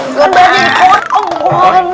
kan jadi porong